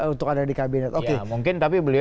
untuk ada di kabinet oke